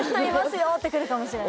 よって来るかもしれない